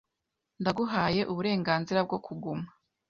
Ndaguhaye uburenganzira bwo kuguma .